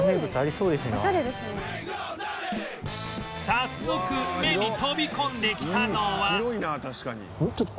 早速目に飛び込んできたのは